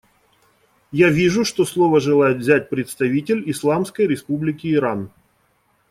Я вижу, что слово желает взять представитель Исламской Республики Иран.